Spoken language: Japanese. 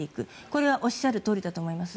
これはおっしゃるとおりだと思います。